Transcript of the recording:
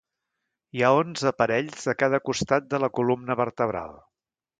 Hi ha onze parells a cada costat de la columna vertebral.